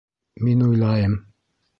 — Мин уйлайым...